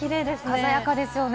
鮮やかですね。